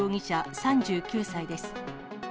３９歳です。